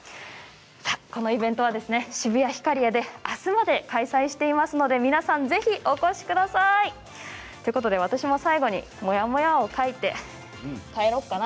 このイベントは渋谷ヒカリエであすまで開催していますので皆さんぜひお越しください。ということで私も最後にモヤモヤを書いて帰ろうかな。